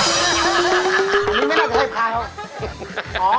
มีอย่างใหญ่ก็ไม่ใช้ยาก